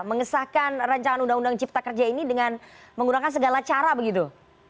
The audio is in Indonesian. mengesahkan ruu cipta kerja ini dengan menggunakan segala cara begitu